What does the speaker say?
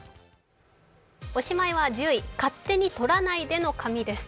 おしまいは１０位、勝手にとらないでの紙です。